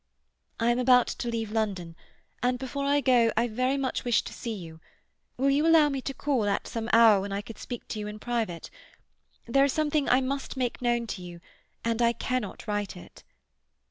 "I am about to leave London, and before I go I very much wish to see you. Will you allow me to call at some hour when I could speak to you in private? There is something I must make known to you, and I cannot write it."